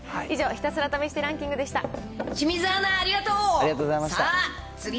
以上、ひたすら試してランキングでした。